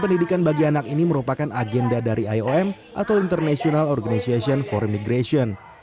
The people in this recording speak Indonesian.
pendidikan bagi anak ini merupakan agenda dari iom atau international organization for imigration